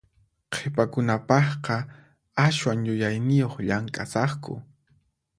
Qhipakunapaqqa aswan yuyayniyuq llamk'asaqku.